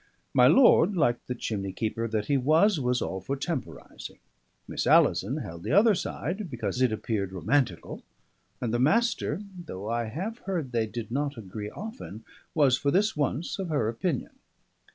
My lord, like the chimney keeper that he was, was all for temporising. Miss Alison held the other side, because it appeared romantical; and the Master (though I have heard they did not agree often) was for this once of her opinion.